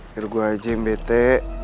biar gua aja yang bete